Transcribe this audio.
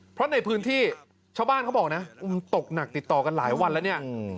เพราะในพื้นที่ชาวบ้านเขาบอกนะมันตกหนักติดต่อกันหลายวันแล้วเนี่ย